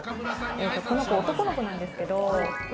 この子、男の子なんですけどう